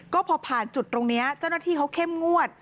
ก็พอผ่านจุดตรงนี้เจ้าหน้าที่เขาเข้มงวด